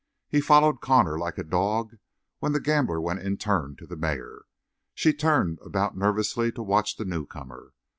He followed Connor like a dog when the gambler went in turn to the mare. She turned about nervously to watch the newcomer.